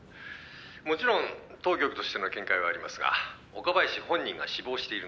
もちろん当局としての見解はありますが岡林本人が死亡しているので」